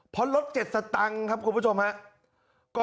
เพราะลด๗สตังค์ครับคุณผู้ชมครับ